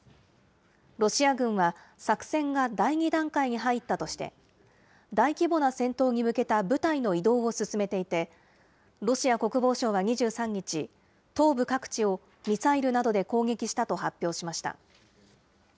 ロシア軍は作戦が第２段階に入ったとして、大規模な戦闘に向けた部隊の移動を進めていて、ロシア国防省は２３日、東部各地をミサイルなどで攻撃したと発表しました。